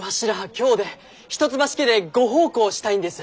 京で一橋家でご奉公したいんです！